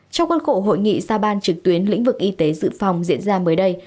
trong quân khổ hội nghị sao ban trực tuyến lĩnh vực y tế dự phòng diễn ra mới đây